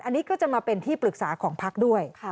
อันนี้ก็จะมาเป็นที่ปรึกษาของพักด้วย